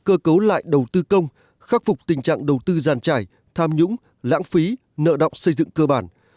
cơ cấu lại đầu tư công khắc phục tình trạng đầu tư giàn trải tham nhũng lãng phí nợ động xây dựng cơ bản